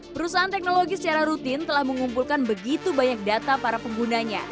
perusahaan teknologi secara rutin telah mengumpulkan begitu banyak data para penggunanya